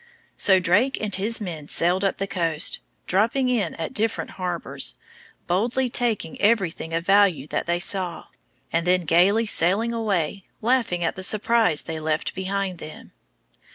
So Drake and his men sailed up the coast, dropping in at different harbors, boldly taking everything of value that they saw, and then gayly sailing away, laughing at the surprise they left behind them.